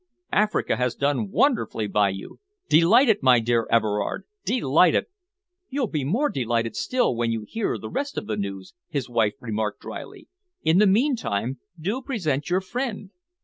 Africa has done wonderfully by you. Delighted, my dear Everard! Delighted!" "You'll be more delighted still when you hear the rest of the news," his wife remarked drily. "In the meantime, do present your friend."